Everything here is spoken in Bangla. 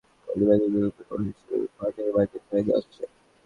সেখানকার সুপার মার্কেট থেকে পলিব্যাগের বিকল্প হিসেবে পাটের ব্যাগের চাহিদা আসছে।